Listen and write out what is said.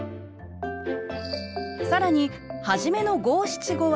更に初めの五七五は上の句。